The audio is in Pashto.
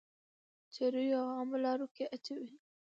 چريو او عامه لارو کي اچوئ.